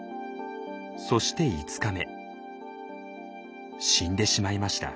そして死んでしまいました。